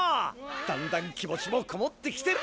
だんだん気持ちもこもってきてる！